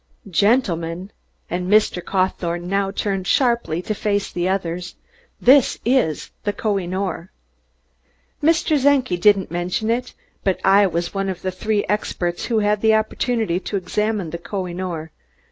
"Gentlemen," and Mr. Cawthorne now turned sharply to face the others, "this is the Koh i noor! Mr. Czenki didn't mention it, but I was one of the three experts who had opportunity to examine the Koh i noor.